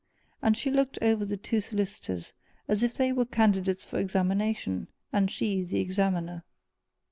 And she looked over the two solicitors as if they were candidates for examination, and she the examiner.